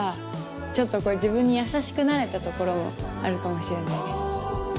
ちょっと自分に優しくなれたところもあるかもしれないです。